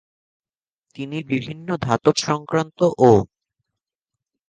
তিনি বিভিন্ন ধাতব সংক্রান্ত ও